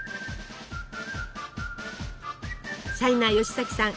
シャイな吉崎さん